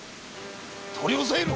取り押さえろ！